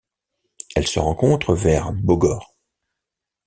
Elle se rencontre vers Bogor.